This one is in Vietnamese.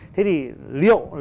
thế thì liệu